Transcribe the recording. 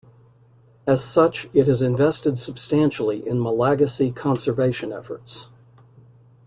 As such, it has invested substantially in Malagasy conservation efforts.